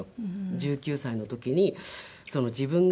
１９歳の時に自分が。